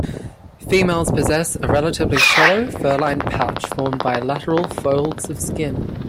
Females possess a relatively shallow fur-lined pouch formed by lateral folds of skin.